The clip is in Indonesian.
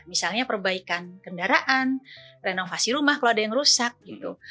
misalnya perbaikan kendaraan renovasi rumah kalau ada yang rusak gitu